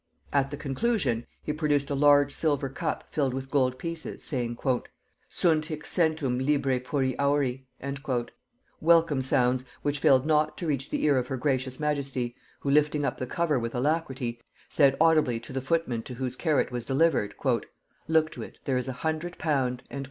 At the conclusion he produced a large silver cup filled with gold pieces, saying, "Sunt hic centum libræ puri auri:" Welcome sounds, which failed not to reach the ear of her gracious majesty, who, lifting up the cover with alacrity, said audibly to the footman to whose care it was delivered, "Look to it, there is a hundred pound."